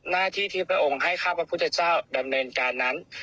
หน้าที่ที่พระองค์ให้ข้าพระพุทธเจ้าดำเนินการนั้น